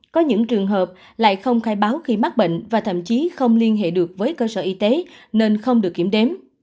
có những trường hợp lại không khai báo khi mắc bệnh và thậm chí không liên hệ được với cơ sở y tế nên không được kiểm đếm